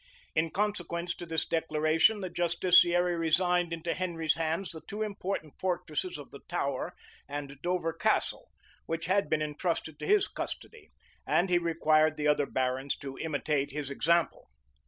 [*] In consequence of this declaration, the justiciary resigned into Henry's hands the two important fortresses of the Tower and Dover Castle, which had been intrusted to his custody; and he required the other barons to imitate his example.